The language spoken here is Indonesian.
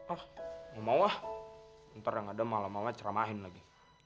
ah mau lah ntar yang ada malah maunya ceramahin lagi